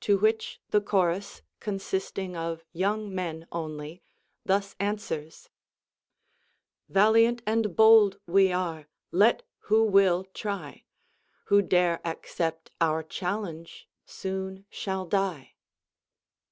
To which the chorus, consisting of young men only, thus answers :— Valiant and bold we are, let who will try : Who dare accept our challenge soon shall die.